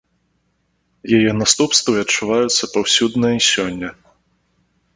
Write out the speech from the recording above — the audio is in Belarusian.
Яе наступствы адчуваюцца паўсюдна і сёння.